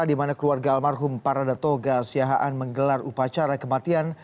di mana keluarga almarhum parada toga siahaan menggelar upacara kematian